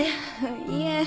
いえ。